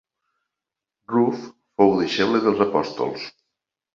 Ruf fou deixeble dels apòstols.